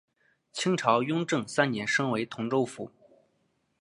清朝雍正三年升为同州府。